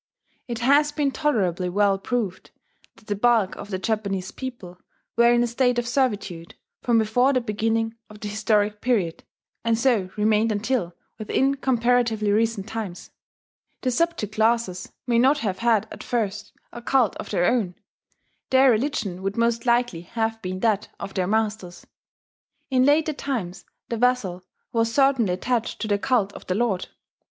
It has been tolerably well proved that the bulk of the Japanese people were in a state of servitude from before the beginning of the historic period, and so remained until within comparatively recent times. The subject classes may not have had at first a cult of their own: their religion would most likely have been that of their masters. In later times the vassal was certainly attached to the cult of the lord.